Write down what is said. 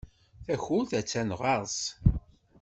Takurt attan ɣer-s.